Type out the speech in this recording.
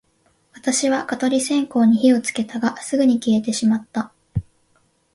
私は蚊取り線香に火をつけたが、すぐに消えてしまった